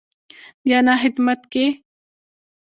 د انا خدمت کيي.